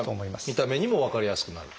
見た目にも分かりやすくなる？